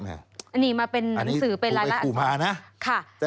อันนี้มาเป็นหนังสือเป็นอะไรล่ะคะค่ะอันนี้ผมไปกลุ่มหานะ